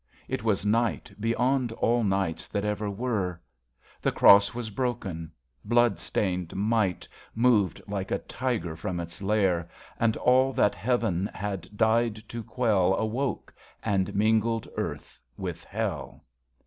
It was night Beyond all nights that ever were. The Cross was broken. Blood stained Might Moved like a tiger from its lair, And all that heaven had died to quell Awoke, and mingled earth with hell.